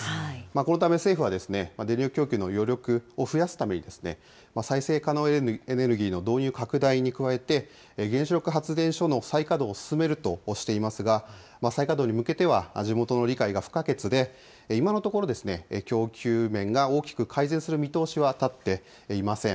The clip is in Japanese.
このため政府は電力供給の余力を増やすために、再生可能エネルギーの導入拡大に加えて、原子力発電所の再稼働を進めるとしていますが、再稼働に向けては地元の理解が不可欠で、今のところ、供給面が大きく改善する見通しは立っていません。